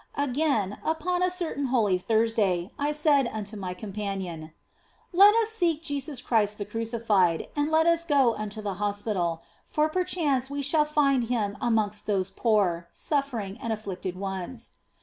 Again, upon a certain Holy Thursday I said unto my 244 THE BLESSED ANGELA companion :" Let us seek Jesus Christ the Crucified, and let us go unto the hospital, for perchance we shall find Him amongst those poor, suffering and afflicted ones."